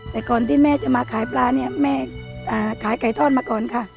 แต่ก่อนที่แม่จะมาขายปลาเนี่ยแม่ขายไก่ทอดมาก่อนค่ะ